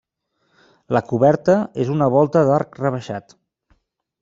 La coberta és una volta d'arc rebaixat.